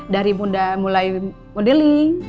dari muda mulai modeling